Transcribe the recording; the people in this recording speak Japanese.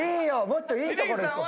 もっといいところいこう。